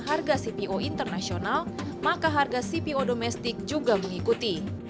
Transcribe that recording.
harga cpo internasional maka harga cpo domestik juga mengikuti